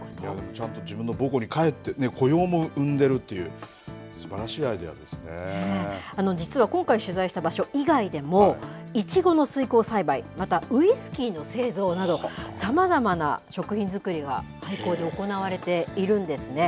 ちゃんと自分の母校に帰って、雇用も生んでるっていう、すばら実は今回取材した場所以外でも、イチゴの水耕栽培、またウイスキーの製造など、さまざまな食品作りが廃校で行われているんですね。